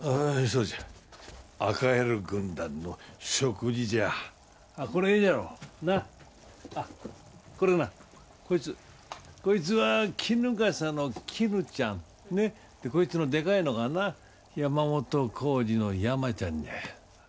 そうじゃ赤ヘル軍団の食事じゃこれいいじゃろなっあっこれはなこいつこいつは衣笠のキヌちゃんねっでこいつのデカイのがな山本浩二のヤマちゃんじゃよ